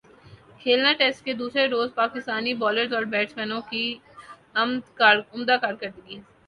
کھلنا test کے دوسرے روز پاکستانی بالرزاور بیٹسمینوں کی عمدہ کارکردگی